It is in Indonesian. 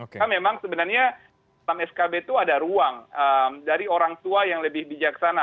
karena memang sebenarnya dalam skb itu ada ruang dari orang tua yang lebih bijaksana